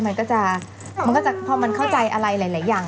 มันก็จะพอมันเข้าใจอะไรหลายอย่าง